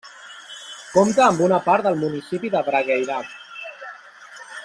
Compta amb una part del municipi de Brageirac.